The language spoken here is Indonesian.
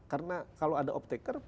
karena kalau ada uptaker